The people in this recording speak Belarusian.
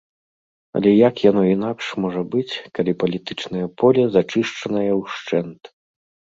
Але як яно інакш можа быць, калі палітычнае поле зачышчанае ўшчэнт?